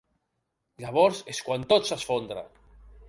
Llavors és quan tot s’esfondra.